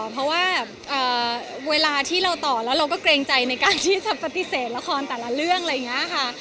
เพราะว่าเวลาที่เราต่อแล้วเราก็เกรงใจในการที่จะปฏิเสธละครแต่ละเรื่องอะไรอย่างนี้ค่ะ